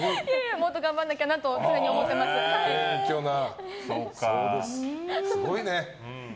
もっと頑張らなきゃなとすごいね。